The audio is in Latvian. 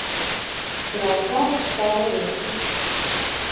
Braucām uz saulrietu.